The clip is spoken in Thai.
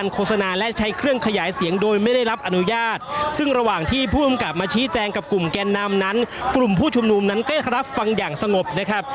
กลุ่มผู้ชุมนุมนั้นก็ได้รับฟังอย่างสงบนะครับ